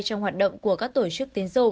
trong hoạt động của các tổ chức tiến dụng